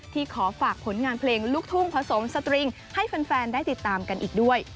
ขอฝากผลงานเพลงลูกทุ่งผสมสตริงให้แฟนได้ติดตามกันอีกด้วย